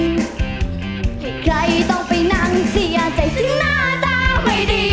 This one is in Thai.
ให้ใครต้องไปนั่งซีอาใจที่หน้าตาไม่ดี